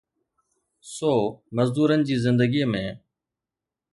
سو مزدورن جي زندگيءَ ۾